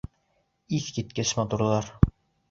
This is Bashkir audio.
Иҫ киткес матурҙар!